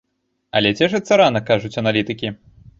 Але цешыцца рана, кажуць аналітыкі.